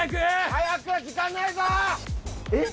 早く時間ないぞえっ？